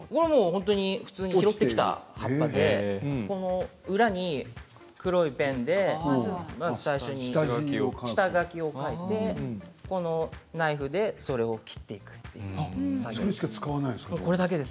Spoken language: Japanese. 普通に拾ってきた葉っぱで裏に黒いペンで最初に下描きを描いてナイフでそれを切っていくという作業をします。